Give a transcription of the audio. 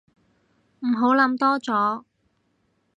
唔好諗多咗